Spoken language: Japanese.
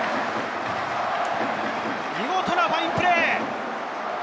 見事なファインプレー！